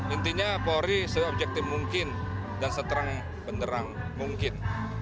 intinya polri seobjektif mungkin dan seterang benderang mungkin